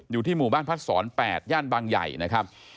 อยู่ที่หมู่บ้านพัดศร๘ย่านบางใหญ่นะครับ